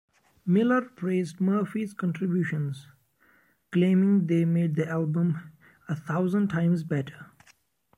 Miller praised Murphy's contributions, claiming they made the album "a thousand times better".